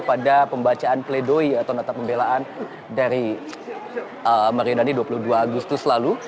pada pembacaan pledoi atau nota pembelaan dari mario dandi dua puluh dua agustus lalu